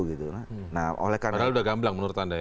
padahal sudah gamblang menurut anda ya